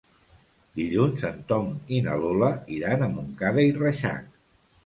Dilluns en Tom i na Lola iran a Montcada i Reixac.